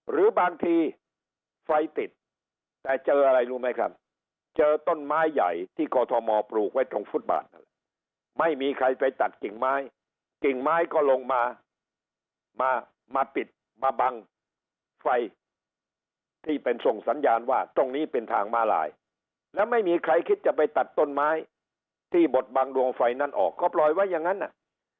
หรือบางทีไฟติดแต่เจออะไรรู้ไหมครับเจอต้นไม้ใหญ่ที่กอทมปลูกไว้ตรงฟุตบาทนั่นแหละไม่มีใครไปตัดกิ่งไม้กิ่งไม้ก็ลงมามาปิดมาบังไฟที่เป็นส่งสัญญาณว่าตรงนี้เป็นทางมาลายแล้วไม่มีใครคิดจะไปตัดต้นไม้ที่บดบังดวงไฟนั้นออกก็ปล่อยไว้อย่างนั้นน่ะ